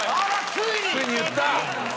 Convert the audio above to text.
ついに言った。